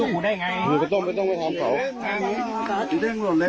โดดโดดโดด